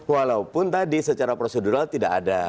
walaupun tadi secara prosedural tidak ada